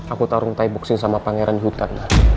aku tarung thai boxing sama pangeran hutan